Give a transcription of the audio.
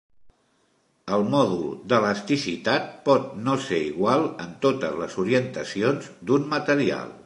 El mòdul d'elasticitat pot no ser igual en totes les orientacions d'un material.